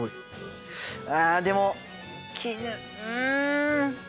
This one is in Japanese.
あでも絹うん。